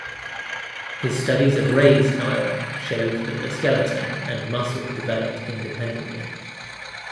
His studies of rays however showed that the skeleton and muscle developed independently.